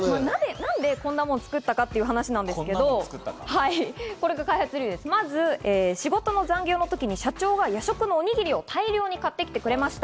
何でこんなものを作ったのかというと、これが開発理由で、仕事の残業の時に社長が夜食のおにぎりを大量に買ってきてくれました。